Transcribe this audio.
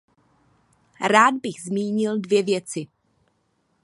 Rád bych zmínil dvě věci.